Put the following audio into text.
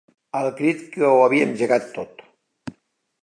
El crit que ho havia engegat tot.